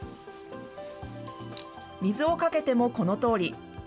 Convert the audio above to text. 水をかけてもこのとおり。